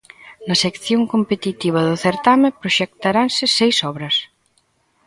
Na sección competitiva do certame proxectaranse seis obras.